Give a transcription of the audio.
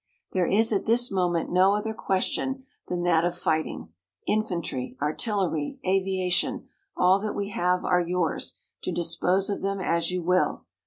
"There is at this moment no other question than that of fighting. Infantry, artillery, aviation all that we have are yours, to dispose of them as you will.